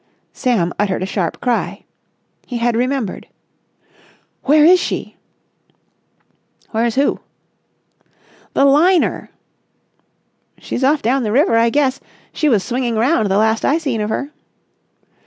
Sam uttered a sharp cry. He had remembered. "Where is she?" "Where's who?" "The liner." "She's off down the river, I guess. She was swinging round, the last I seen of her."